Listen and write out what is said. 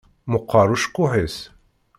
Meqqeṛ ucekkuḥ-is.